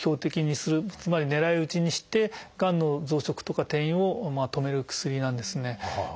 つまり狙い撃ちにしてがんの増殖とか転移を止める薬なんですね。